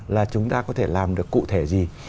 là chúng ta có thể làm được cụ thể gì